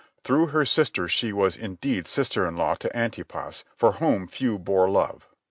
Through her sister she was indeed sister in law to Antipas for whom few bore love.